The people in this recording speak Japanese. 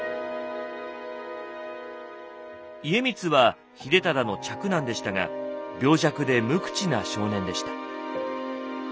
家光は秀忠の嫡男でしたが病弱で無口な少年でした。